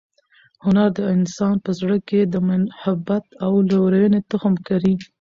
هنر د انسان په زړه کې د محبت او لورینې تخم کري.